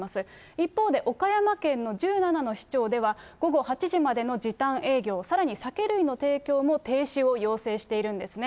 一方で、岡山県の１７の市町では、午後８時までの時短営業、さらに酒類の提供も停止を要請しているんですね。